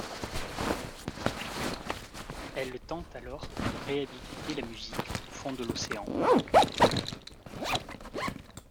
Elle tente alors de réhabiliter la musique au fond de l'océan.